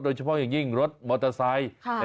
โดยเฉพาะอย่างยิ่งรถมอเตอร์ไซค์